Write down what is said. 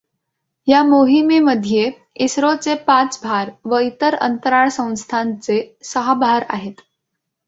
या मोहिमेमध्ये इस्रोचे पाच भार व इतर अंतराळसंस्थांचे सहा भार आहेत.